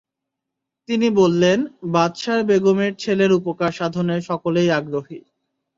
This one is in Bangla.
তিনি বললেনঃ বাদশাহর বেগমের ছেলের উপকার সাধনে সকলেই আগ্রহী।